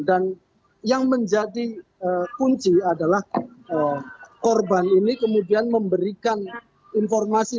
dan yang menjadi kunci adalah korban ini kemudian memberikan informasi